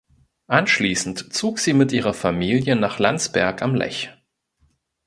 Anschließend zog sie mit ihrer Familie nach Landsberg am Lech.